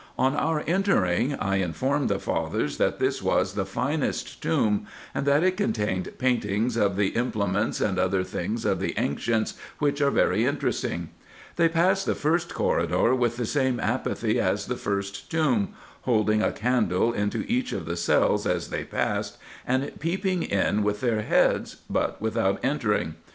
On our entering I informed the fathers that this was the finest tomb, and that it contained paintings of the implements and other things of the ancients, which are very interesting. They passed the first corridor with the same apathy as the first tomb, holding a candle into each of the cells as they passed, and peeping in with their heads, but without entering.